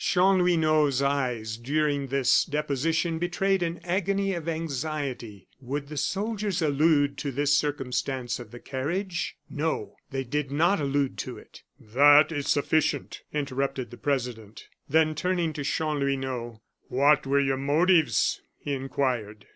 Chanlouineau's eyes during this deposition betrayed an agony of anxiety. Would the soldiers allude to this circumstance of the carriage? No; they did not allude to it. "That is sufficient," interrupted the president. Then turning to Chanlouineau: "What were your motives?" he inquired.